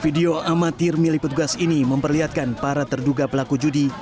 video amatir milik petugas ini memperlihatkan para terduga pelaku judi